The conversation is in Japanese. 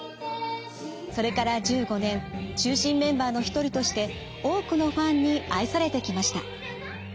それから１５年中心メンバーの一人として多くのファンに愛されてきました。